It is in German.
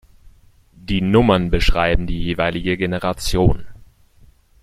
Die Nummern beschreiben die jeweilige Generation.